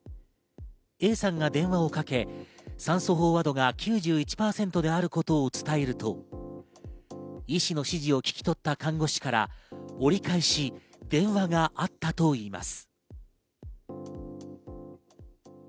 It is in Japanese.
Ａさんが電話をかけ、酸素飽和度が９１％であることを伝えると医師の指示を聞き取った看護師から折り返し電話があったといいます。